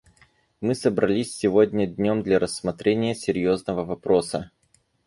Мы собрались сегодня днем для рассмотрения серьезного вопроса.